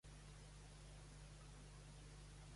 No, no em quedava ningú a la meua ciutat, ja no era meua.